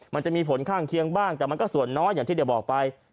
มันจะมีผลข้างเคียงบ้างแต่มันก็ส่วนน้อยอย่างที่เดี๋ยวบอกไป